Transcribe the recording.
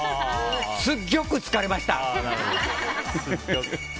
すっぎょく疲れました！